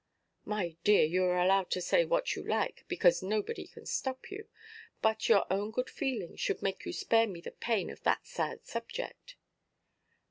"My dear, you are allowed to say what you like, because nobody can stop you. But your own good feeling should make you spare me the pain of that sad subject."